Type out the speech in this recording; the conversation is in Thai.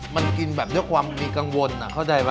มันกินแบบด้วยความมีกังวลเข้าใจป่